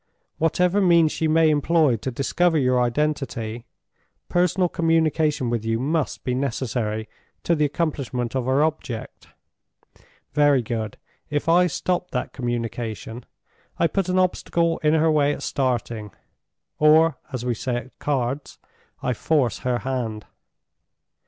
Whatever means she may employ to discover your identity, personal communication with you must be necessary to the accomplishment of her object. Very good. If I stop that communication, I put an obstacle in her way at starting—or, as we say at cards, I force her hand.